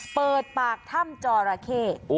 เปิดปากถ้ำจอราเข้